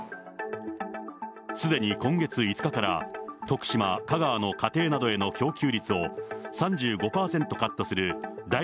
すでに今月５日から、徳島、香川の家庭などへの供給率を、３５％カットする第２